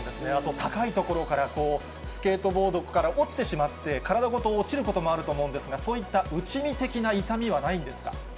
高い所から、スケートボードから落ちてしまって、体ごと落ちることもあると思うんですが、そういった打ち身的な痛みはないんですか？